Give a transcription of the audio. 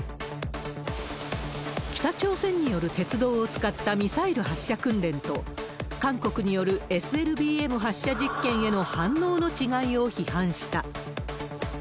北朝鮮による鉄道を使ったミサイル発射訓練と、韓国によるＳＬＢＭ発射実験への反応の違いを批判した。